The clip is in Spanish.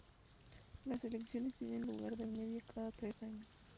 Las elecciones tienen lugar de media cada tres años.